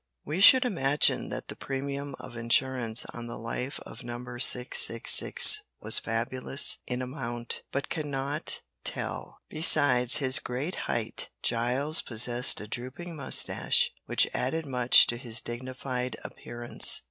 We should imagine that the premium of insurance on the life of Number 666 was fabulous in amount, but cannot tell. Besides his great height, Giles possessed a drooping moustache, which added much to his dignified appearance.